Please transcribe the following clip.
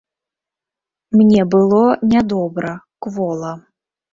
Мне было нядобра, квола.